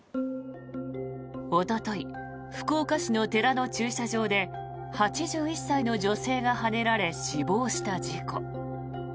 おととい福岡市の寺の駐車場で８１歳の女性がはねられ死亡した事故。